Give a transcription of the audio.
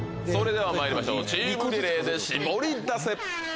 それではまいりましょうチームリレーでシボリダセ！